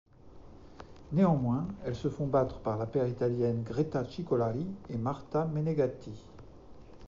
Néanmoins, elles se font battre par la paire italienne Greta Cicolari et Marta Menegatti.